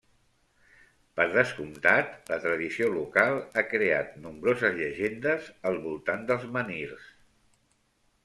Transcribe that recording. Per descomptat, la tradició local ha creat nombroses llegendes al voltant dels menhirs.